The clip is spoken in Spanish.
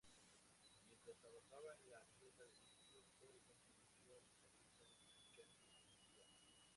Mientras trabajaba en la tienda de discos, Corgan conoció al guitarrista James Iha.